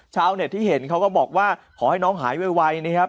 ชาวเน็ตที่เห็นเขาก็บอกว่าขอให้น้องหายไวนะครับ